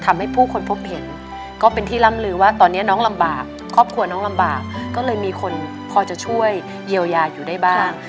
ทำให้ผู้คนพบเห็นก็เป็นที่ล่ำลือว่าตอนนี้น้องลำบากครอบครัวน้องลำบากก็เลยมีคนพอจะช่วยเยียวยาอยู่ได้บ้าง